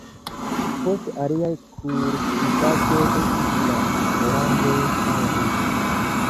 Poste aliaj kultivaĵoj estis la oranĝoj kaj rizo.